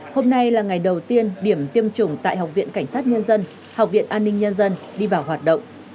hôm nay là ngày đầu tiên điểm tiêm chủng tại học viện cảnh sát nhân dân học viện an ninh nhân dân đi vào hoạt động